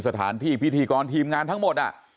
สถานที่พิธีกรทีมงานทั้งหมด